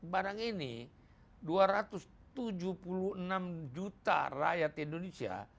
barang ini dua ratus tujuh puluh enam juta rakyat indonesia